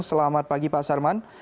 selamat pagi pak sarman